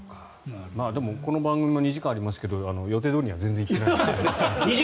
でもこの番組も２時間ありますけど予定どおりには全然行っていないですよ。